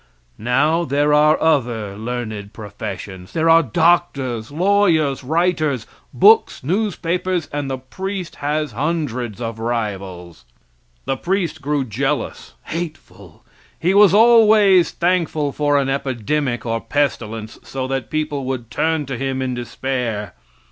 Now there are other learned professions. There are doctors, lawyers, writers, books, newspapers, and the priest has hundreds of rivals. The priest grew jealous, hateful; he was always thankful for an epidemic or pestilence, so that people would turn to him in despair.